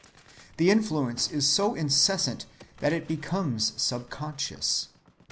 The influence is so incessant that it becomes subconscious.